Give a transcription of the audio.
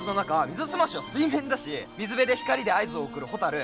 ミズスマシは水面だし水辺で光で合図を送るホタル